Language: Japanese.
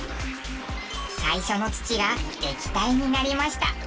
最初の土が液体になりました。